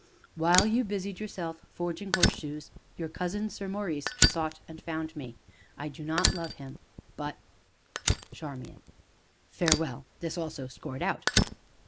"While you busied yourself forging horseshoes your cousin, Sir Maurice, sought and found me. I do not love him, but CHARMIAN. "Farewell" (This also scored out.)